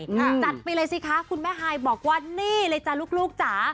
จัดไปเลยสิคะคุณแม่ฮายบอกว่านี่เลยจ้ะลูกจ๋า